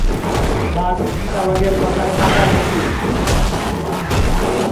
বাঘ, চিতাবাঘের কথায় পাতা ভর্তি।